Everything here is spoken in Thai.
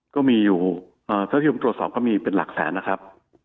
ก็มีอยู่ภูมิกลุ่มตัวสองก็มีเป็นหลักแสนนะครับ